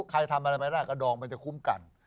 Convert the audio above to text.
ใครทำอะไรไม่ได้กระดองมันจะคุ้มกัน